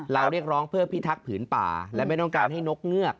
เรียกร้องเพื่อพิทักษ์ผืนป่าและไม่ต้องการให้นกเงือก